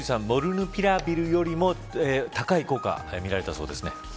モルヌピラビルよりも高い効果が見られたそうですね。